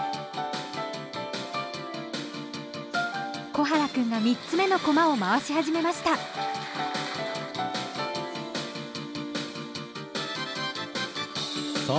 小原くんが３つ目の駒を回し始めましたさあ